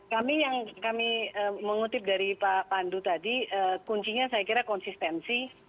kami yang kami mengutip dari pak pandu tadi kuncinya saya kira konsistensi